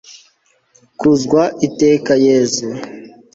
kuzwa iteka yezu